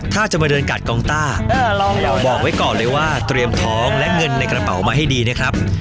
ถ้าจะมาเดินกัดกองต้าบอกไว้ก่อนเลยว่าเตรียมท้องและเงินในกระเป๋ามาให้ดีนะครับ